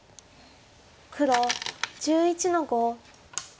黒１１の五。